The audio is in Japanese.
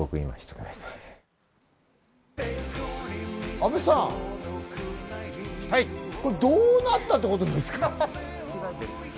阿部さん、どうなったってことですか？